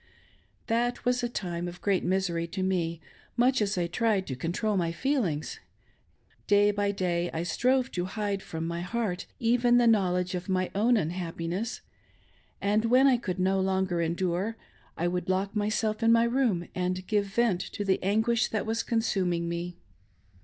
That was a time of great misery to me, much as I tried to control my feelings. Day by day I strove to hide from my heart even the knowledge of my own unhappiness, and when I could no longer endure, I would lock myself in my room and give vent to the anguish that was consuming me.